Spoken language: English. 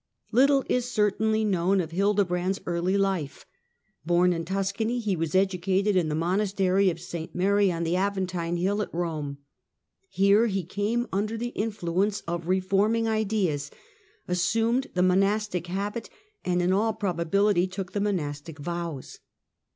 Little is certainly known o^gr^y^^^ Hildebrand's early life. Born in Tuscany, he was edu HUde " ,cated in the monastery of St Mary on the Aventine hill^^"^"^ bit Kom.e. Here he came under the influence of reforming ideas, assumed the monastic habit, and, in all probability, took the monastic vows.